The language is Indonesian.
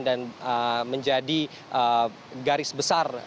dan menjadi garis besar